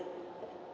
lalu sudah dikenalkan